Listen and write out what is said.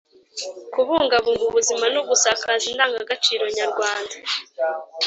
kubungabunga ubuzima no gusakaza indangagaciro nyarwanda